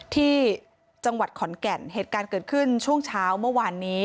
ที่จังหวัดขอนแก่นเหตุการณ์เกิดขึ้นช่วงเช้าเมื่อวานนี้